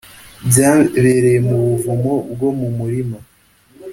byabereye mu buvumo bwo mu murima